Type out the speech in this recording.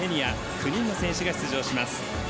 ９人の選手が出場します。